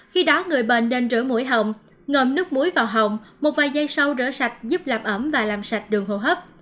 khi đó người bệnh nên rửa mũi hồng ngầm nước muối vào hồng một vài giây sau rửa sạch giúp làm ẩm và làm sạch đường hồ hấp